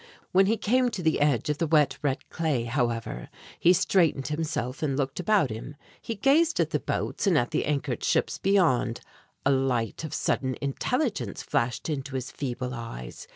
When he came to the edge of the wet, red clay, however, he straightened himself and looked about him. He gazed at the boats and at the anchored ships beyond. A light of sudden intelligence flashed into his feeble eyes.